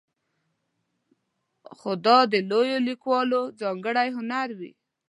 خو دا د لویو لیکوالو ځانګړی هنر وي.